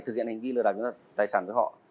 thực hiện hành vi lừa đảo tài sản với họ